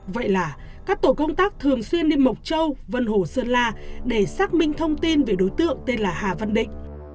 vậy là các tổ công tác thường xuyên đi mộc châu vân hồ sơn la để xác minh thông tin về đối tượng tên là hà văn định